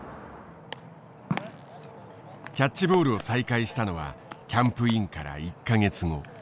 キャッチボールを再開したのはキャンプインから１か月後。